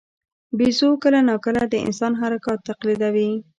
بیزو کله ناکله د انسان حرکات تقلیدوي.